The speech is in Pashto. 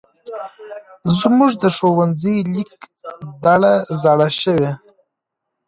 زمونږ د ښونځې لېک دړه زاړه شوی.